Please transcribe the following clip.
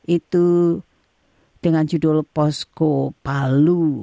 itu dengan judul posko palu